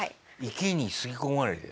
池に吸い込まれて。